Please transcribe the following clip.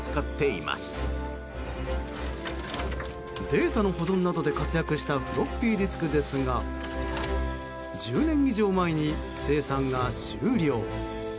データの保存などで活躍したフロッピーディスクですが１０年以上前に生産が終了。